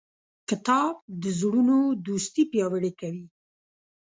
کتاب د زړونو دوستي پیاوړې کوي.